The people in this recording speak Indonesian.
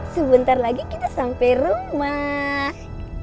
sebentar lagi kita sampai rumah